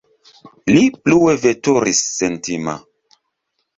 Li plue veturis, sentima.